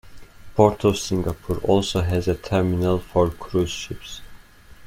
Port of Singapore also has a terminal for cruise ships.